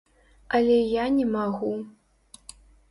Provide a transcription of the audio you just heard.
Але я не магу.